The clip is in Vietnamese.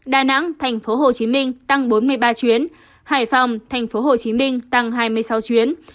đà nẵng tp hcm tăng bốn mươi ba chuyến hải phòng tp hcm tăng hai mươi sáu chuyến